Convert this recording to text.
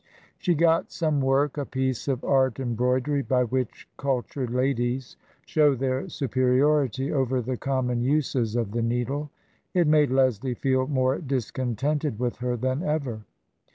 She got some work — a piece of art embroidery by which cultured ladies show their superiority over the common uses of the needle. It made Leslie feel more discontented with her than ever.